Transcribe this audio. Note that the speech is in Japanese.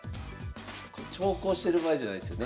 長考してる場合じゃないですよね。